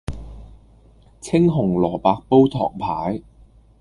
青紅蘿蔔煲唐排